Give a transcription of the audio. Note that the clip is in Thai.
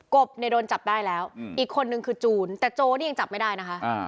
บเนี่ยโดนจับได้แล้วอีกคนนึงคือจูนแต่โจนี่ยังจับไม่ได้นะคะ